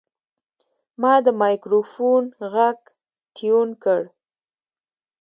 ما د مایکروفون غږ ټیون کړ.